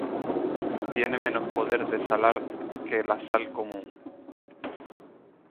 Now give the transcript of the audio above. Tiene menos poder de salar que la sal común.